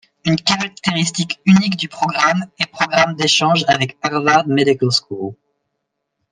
Une caractéristique unique du programme est programme d’échange avec Harvard Medical School.